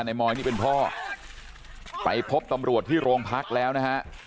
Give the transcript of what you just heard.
มอยนี่เป็นพ่อไปพบตำรวจที่โรงพักแล้วนะฮะ